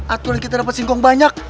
aturan kita dapat singkong banyak